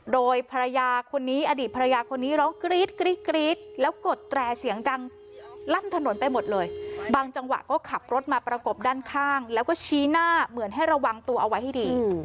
โดยภรรยาคนนี้อดีตภรรยาคนนี้ร้องกรี๊ดกรี๊ดแล้วกดแตรเสียงดังลั่นถนนไปหมดเลยบางจังหวะก็ขับรถมาประกบด้านข้างแล้วก็ชี้หน้าเหมือนให้ระวังตัวเอาไว้ให้ดี